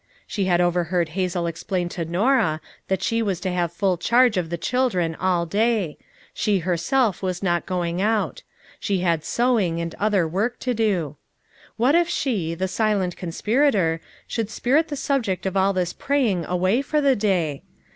She had overheard Hazel explain to Norah that she was to have full charge of the children all day; she herself was not going out ; she had sewing, and other work to do. What if she, the silent conspirator, should spirit the subject of all this praying away for the day?